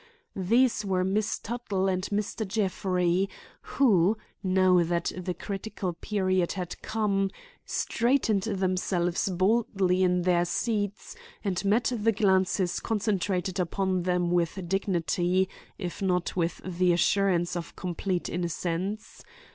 These were Miss Tuttle and Mr. Jeffrey, who, now that the critical period had come, straightened themselves boldly in their seats and met the glances concentrated upon them with dignity, if not with the assurance of complete innocence.